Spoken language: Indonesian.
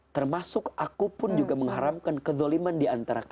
termasuk aku pun juga mengharamkan kezoliman di antara diriku